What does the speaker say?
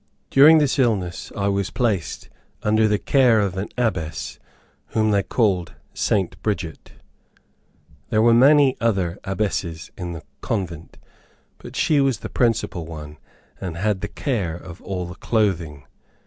During this illness I was placed under the care of an Abbess whom they called St. Bridget. There were many other Abbesses in the convent, but she was the principal one, and had the care of all the clothing.